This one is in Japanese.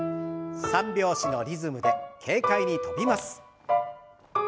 ３拍子のリズムで軽快に跳びます。